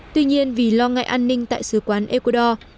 tuy nhiên vì lo ngại an ninh tại sứ quán ecuador